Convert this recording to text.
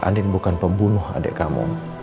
andin bukan pembunuh adik kamu